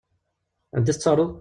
Anda i tettaruḍ?